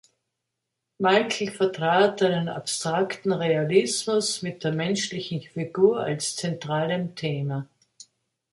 Mikl vertrat einen abstrakten Realismus mit der menschlichen Figur als zentralem Thema.